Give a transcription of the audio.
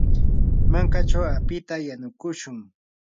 mankachaw apita yanukushun.